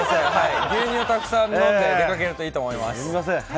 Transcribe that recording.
牛乳をたくさんとって出かけるといいと思います。